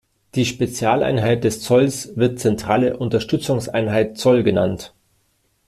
Die Spezialeinheit des Zolls wird Zentrale Unterstützungseinheit Zoll genannt.